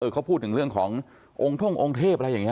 เขาพูดถึงเรื่องขององค์ท่งองค์เทพอะไรอย่างนี้